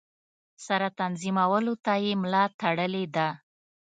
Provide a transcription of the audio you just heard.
سره تنظیمولو ته یې ملا تړلې ده.